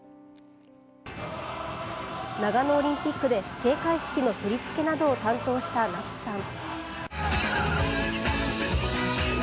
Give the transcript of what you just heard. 長野オリンピックで閉会式の振り付けなどを担当した夏さん。